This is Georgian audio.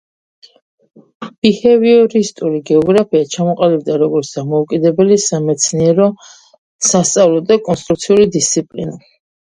ბიჰევიორისტული გეოგრაფია ჩამოყალიბდა როგორც დამოუკიდებელი სამეცნიერო, სასწავლო და კონსტრუქციული დისციპლინა.